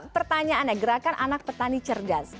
pertanyaannya gerakan anak petani cerdas